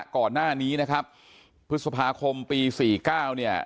ก่อนหน้านี้นะครับพฤษภาคมปี๔๙เนี่ย